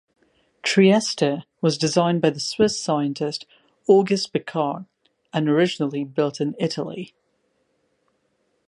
"Trieste" was designed by the Swiss scientist Auguste Piccard and originally built in Italy.